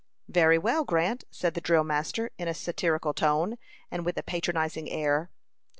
"Very well, Grant," said the drill master, in a satirical tone, and with a patronizing air.